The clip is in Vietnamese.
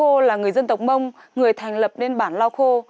ông tráng lao khô là người dân tộc mông người thành lập nên bản lao khô